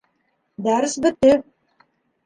Дәрес бөттө!